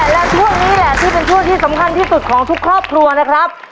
และช่วงนี้แหละที่เป็นช่วงที่สำคัญที่สุดของทุกครอบครัวนะครับ